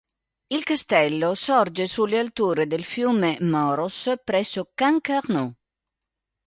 Il castello sorge sulle alture del fiume Moros presso Cancarneau.